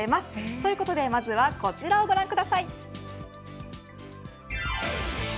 ということでまずはこちらをご覧ください。